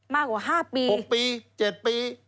มากกว่า๕ปี๖ปี๗ปี